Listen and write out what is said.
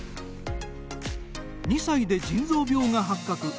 ２歳で腎臓病が発覚。